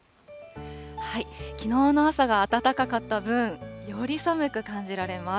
きのうの朝が暖かかった分、より寒く感じられます。